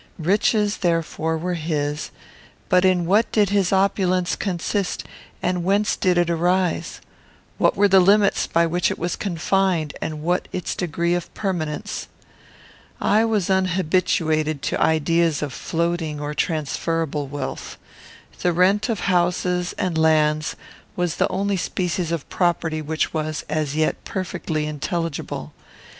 Riches, therefore, were his; but in what did his opulence consist, and whence did it arise? What were the limits by which it was confined, and what its degree of permanence? I was unhabituated to ideas of floating or transferable wealth. The rent of houses and lands was the only species of property which was, as yet, perfectly intelligible.